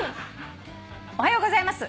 「おはようございます。